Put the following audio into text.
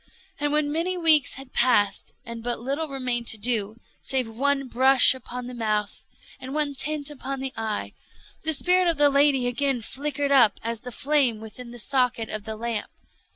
And when many weeks had passed, and but little remained to do, save one brush upon the mouth and one tint upon the eye, the spirit of the lady again flickered up as the flame within the socket of the lamp.